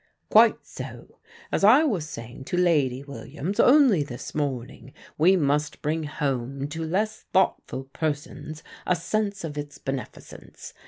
"Quite so. As I was saying to Lady Williams, only this morning, we must bring home to less thoughtful persons a sense of its beneficence.